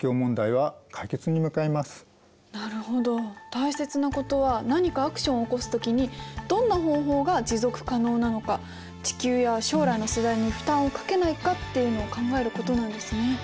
大切なことは何かアクションを起こす時にどんな方法が持続可能なのか地球や将来の世代に負担をかけないかっていうのを考えることなんですね。